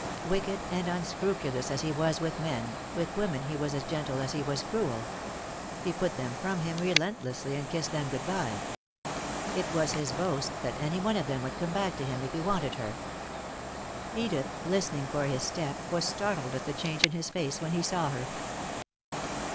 Wicked and unscrupulous as he was with men, with women he was as gentle as he was cruel. He put them from him relentlessly and kissed them good by. It was his boast that any one of them would come back to him if he wanted her. Edith, listening for his step, was startled at the change in his face when he saw her.